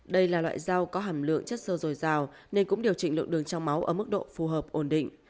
đây là loại rau có hàm lượng chất sơ dồi dào nên cũng điều chỉnh lượng đường trong máu ở mức độ phù hợp ổn định